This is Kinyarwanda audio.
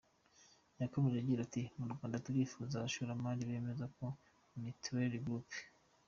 Yakomeje agira ati “Mu Rwanda turifuza abashoramari bameze nka Mitrelli Group.